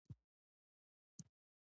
شپه تیاره ده